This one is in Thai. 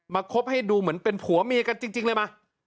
คบให้ดูเหมือนเป็นผัวเมียกันจริงเลยมา